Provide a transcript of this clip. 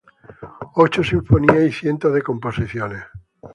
Ocho sinfonías y cientos de composiciones.